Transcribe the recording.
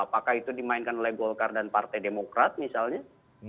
apakah itu dimainkan oleh golkar dan partai demokrat misalnya